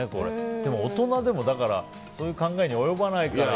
でも、大人でもそういう考えに及ばないからね。